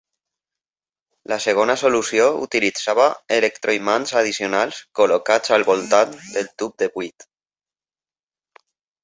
La segona solució utilitzava electroimants addicionals col·locats al voltant del tub de buit.